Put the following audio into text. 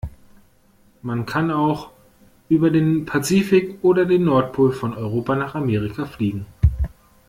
Man kann auch über den Pazifik oder den Nordpol von Europa nach Amerika fliegen.